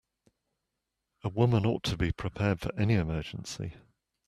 A woman ought to be prepared for any emergency.